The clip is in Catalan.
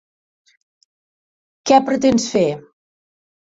Què pretens fer?